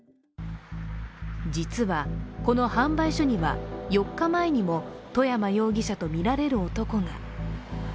実はこの販売所には、４日前にも外山容疑者とみられる男が。